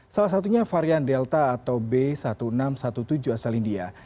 salah satunya varian delta atau b seribu enam ratus tujuh belas asal india